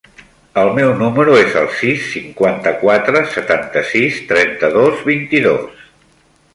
El meu número es el sis, cinquanta-quatre, setanta-sis, trenta-dos, vint-i-dos.